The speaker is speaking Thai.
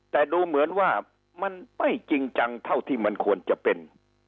แต่ดูเหมือนว่ามันไม่จริงจังเท่าที่มันควรจะเป็น